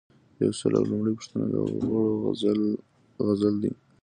یو سل او لومړۍ پوښتنه د غړو عزل دی.